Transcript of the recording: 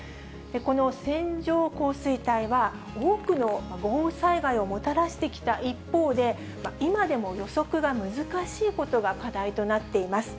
この線状降水帯は、多くの豪雨災害をもたらしてきた一方で、今でも予測が難しいことが課題となっています。